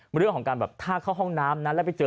มีการแบบท่าเข้าห้องน้ำแล้วไปเจอ